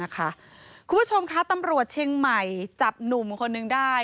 คุณผู้ชมคะตำรวจเชียงใหม่จับหนุ่มคนนึงได้